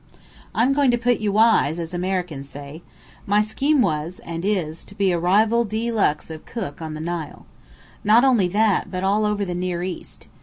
"I'm going to put you wise, as Americans say. My scheme was and is to be a rival de luxe of Cook on the Nile. Not only that, but all over the near East.